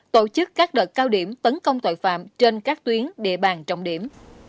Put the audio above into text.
tổ chức các đợt cao điểm tấn công tội phạm trên các tuyến địa bàn trọng điểm